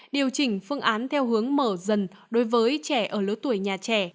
điều chỉnh phương án theo hướng mở dần đối với trẻ ở lứa tuổi nhà trẻ